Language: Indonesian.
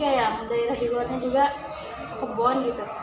daerah di luarnya juga kebun